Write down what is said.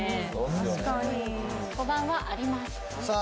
確かに５番はありますさあ